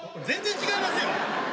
全然違いますよ。